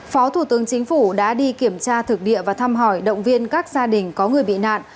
phó thủ tướng chính phủ đã đi kiểm tra thực địa và thăm hỏi động viên các gia đình có người bị nạn